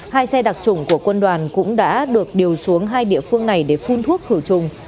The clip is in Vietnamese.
hai xe đặc trùng của quân đoàn cũng đã được điều xuống hai địa phương này để phun thuốc khử trùng